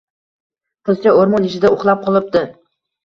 Qizcha oʻrmon ichida uxlab qolibdi